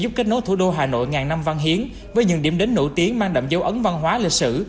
giúp kết nối thủ đô hà nội ngàn năm văn hiến với những điểm đến nổi tiếng mang đậm dấu ấn văn hóa lịch sử